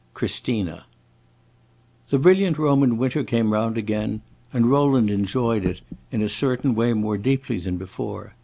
Christina The brilliant Roman winter came round again, and Rowland enjoyed it, in a certain way, more deeply than before.